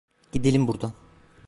Gidelim buradan.